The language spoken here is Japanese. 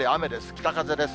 北風です。